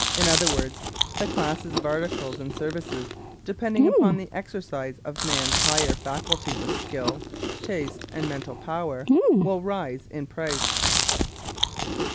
In other words, the classes of articles and services depending upon the exercise of man's higher faculties of skill, taste, and mental power will rise in price.